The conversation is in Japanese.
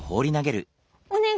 おねがい！